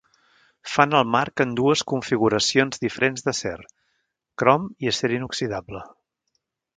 Fan el marc en dues configuracions diferents d'acer, crom i acer inoxidable.